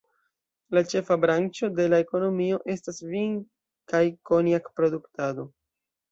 La ĉefa branĉo de la ekonomio estas vin- kaj konjak-produktado.